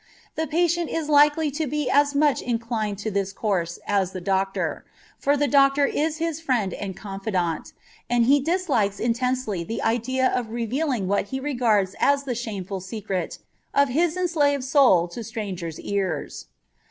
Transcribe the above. The patient is likely to be as much inclined to this course as the doctor, for the doctor is his friend and confidant, and he dislikes intensely the idea of revealing what he regards as the shameful secret of his enslaved soul to strangers' ears.